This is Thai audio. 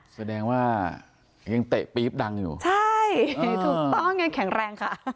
แสดงว่ายังเตะปี๊บดังอยู่ใช่ถูกต้องยังแข็งแรงค่ะ